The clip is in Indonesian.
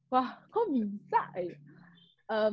wah kok bisa ya